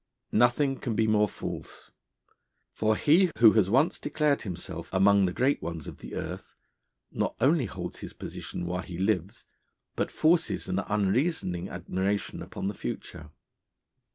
Nothing can be more false; for he who has once declared himself among the great ones of the earth, not only holds his position while he lives, but forces an unreasoning admiration upon the future.